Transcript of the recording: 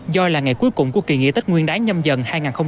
do là ngày cuối cùng của kỳ nghỉ tết nguyên đáng nhâm dần hai nghìn hai mươi bốn